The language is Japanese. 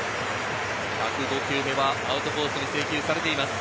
１０５球目はアウトコースに制球されています。